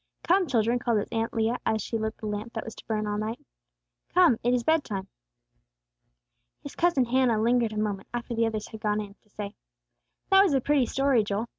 "Come, children," called his Aunt Leah, as she lit the lamp that was to burn all night. "Come! It is bed time!" His cousin Hannah lingered a moment after the others had gone in, to say, "That was a pretty story, Joel.